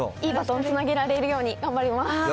いいバトンをつなげられるように頑張ります。